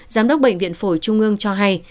giám đốc bệnh viện phổi trung ương cho hay